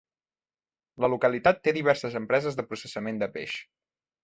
La localitat té diverses empreses de processament de peix.